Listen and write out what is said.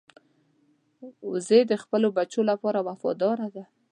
وزې د خپلو بچو لپاره وفاداره ده